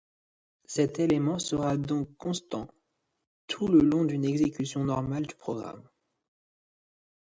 Cet élément sera donc constant tout le long d'une exécution normale du programme.